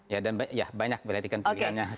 ya dan banyak berarti kan pilihannya